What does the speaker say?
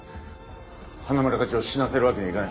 花村課長を死なせるわけにはいかない。